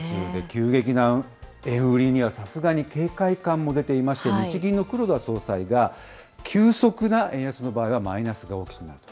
急激な円売りには、さすがに警戒感も出ていまして、日銀の黒田総裁が、急速な円安の場合は、マイナスが大きくなると。